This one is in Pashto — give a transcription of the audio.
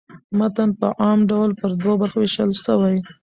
متن په عام ډول پر دوو برخو وېشل سوی.